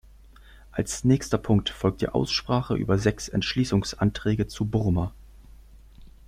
Als nächster Punkt folgt die Aussprache über sechs Entschließungsanträge zu Burma.